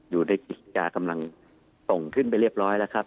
อยู่ในกิจการกำลังส่งขึ้นไปเรียบร้อยแล้วครับ